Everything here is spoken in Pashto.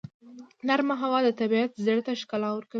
نرمه هوا د طبیعت زړه ته ښکلا ورکوي.